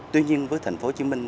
tuy nhiên với thành phố hồ chí minh